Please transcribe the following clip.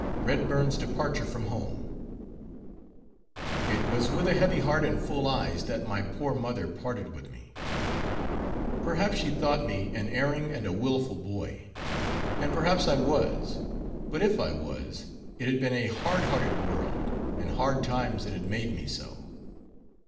REDBURN'S DEPARTURE FROM HOME It was with a heavy heart and full eyes, that my poor mother parted with me; perhaps she thought me an erring and a willful boy, and perhaps I was; but if I was, it had been a hardhearted world, and hard times that had made me so.